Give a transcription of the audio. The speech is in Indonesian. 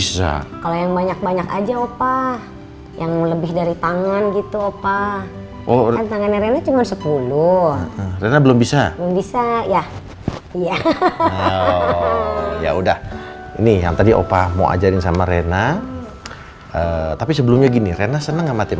sini dong disini